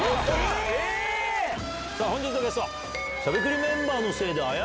⁉本日のゲスト。